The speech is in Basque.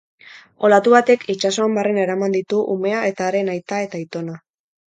Olatu batek itsasoan barrena eraman ditu umea eta haren aita eta aitona.